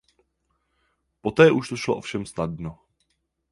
Poté už to šlo ovšem snadno.